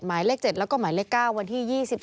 หมายเลข๗แล้วก็หมายเลข๙วันที่๒๔